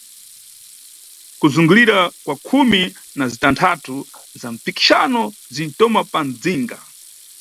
Kuzungulira kwa khumi na zitanthatu za mpikixano zintoma pa mʼdzinga.